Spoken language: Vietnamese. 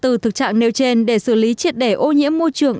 từ thực trạng nêu trên để xử lý triệt để ô nhiễm môi trường